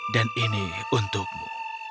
dan ini untukmu